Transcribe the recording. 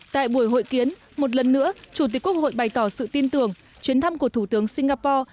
tại buổi hội kiến một lần nữa chủ tịch quốc hội bày tỏ sự tin tưởng chuyến thăm của thủ tướng singapore